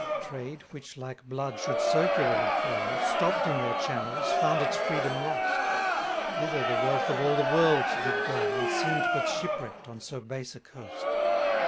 2 Trade, which, like blood, should circularly flow, Stopp'd in their channels, found its freedom lost: Thither the wealth of all the world did go, And seem'd but shipwreck'd on so base a coast.